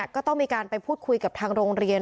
ก็ต้องมีการไปพูดคุยกับทางโรงเรียน